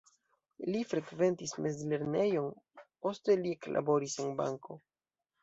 Li frekventis mezlernejon, poste li eklaboris en banko.